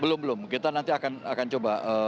belum belum kita nanti akan coba